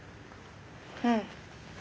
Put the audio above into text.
うん。